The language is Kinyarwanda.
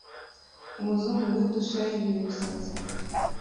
Umuzungu muri dushe yahinduye umusatsi